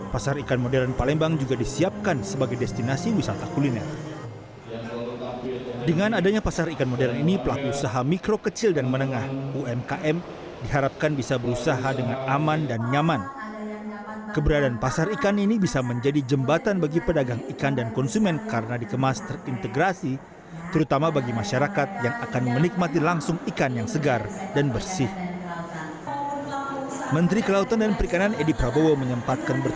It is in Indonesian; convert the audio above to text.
pasar ikan modern palembang juga disiapkan sebagai destinasi wisata kuliner